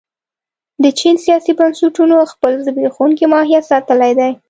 د چین سیاسي بنسټونو خپل زبېښونکی ماهیت ساتلی دی.